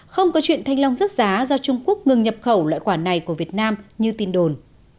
không có chuyện thanh long rớt giá do trung quốc ngừng nhập khẩu loại quả này của việt nam như tin đồn